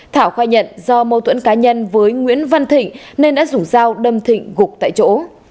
thảo khai nhận do mâu thuẫn cá nhân với nguyễn văn thịnh nên đã dùng dao đâm thịnh gục tại chỗ